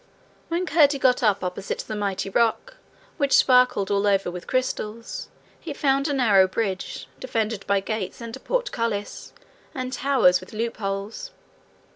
When Curdie got up opposite the mighty rock, which sparkled all over with crystals, he found a narrow bridge, defended by gates and portcullis and towers with loopholes.